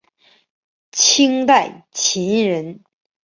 清代琴人。